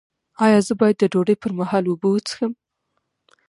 ایا زه باید د ډوډۍ پر مهال اوبه وڅښم؟